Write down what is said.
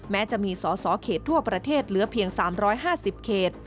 แม้จะมีสอสอเขตทั่วประเทศเหลือเพียง๓๕๐เขต